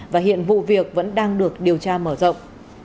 và hiện vụ việc vẫn đang được điều tra mở rộng